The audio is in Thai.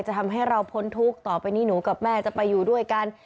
ทำให้เราพ้นทุกข์ต่อไปนี้หนูกับแม่จะไปอยู่ด้วยกัน